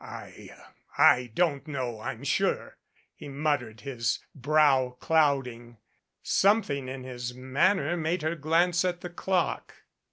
"I I don't know, I'm sure," he muttered, his brow clouding. Something in his manner made her glance at the clock.